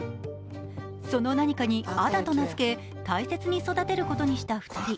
その何かに「アダ」と名付け大切に育てることにした２人。